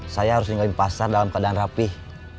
saya harus ninggalin pasar dalam keadaan rapih